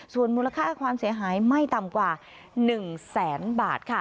ส่วนมูลค่าความเสียหายไม่ต่ำกว่า๑แสนบาทค่ะ